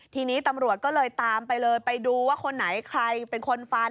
ทีนี้ตำรวจก็เลยตามไปเลยไปดูว่าคนไหนใครเป็นคนฟัน